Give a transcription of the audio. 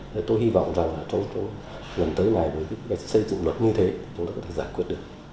thì tôi hy vọng rằng trong lần tới này với cái xây dựng luật như thế chúng ta có thể giải quyết được